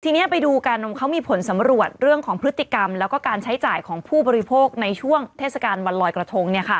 ทีนี้ไปดูกันเขามีผลสำรวจเรื่องของพฤติกรรมแล้วก็การใช้จ่ายของผู้บริโภคในช่วงเทศกาลวันลอยกระทง